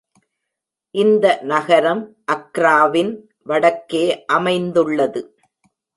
இந்த நகரம் அக்ராவின் வடக்கே அமைந்துள்ளது.